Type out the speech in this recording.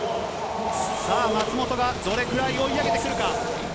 さあ、松元がどれくらい追い上げてくるか。